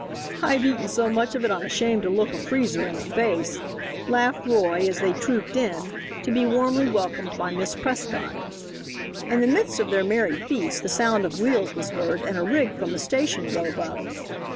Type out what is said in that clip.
"I've eaten so much of it I'm ashamed to look a freezer in the face," laughed Roy, as they trooped in, to be warmly welcomed by Miss Prescott. In the midst of their merry feast the sound of wheels was heard and a rig from the station drove up.